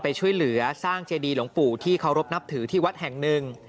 ไปช่วยเหลือสร้างเจดีหลวงปู่ที่เคารพนับถือที่วัดแห่งหนึ่ง